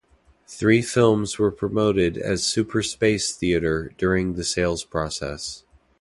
These films were promoted as "Super Space Theater" during the sales process.